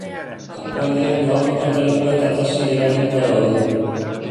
Kanpoaldean doako aparkalekua eta taxi geralekua daude.